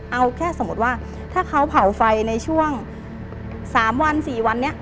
เอาแค่สมมุติว่าถ้าเขาเผาไฟในช่วง๓วัน๔วันนี้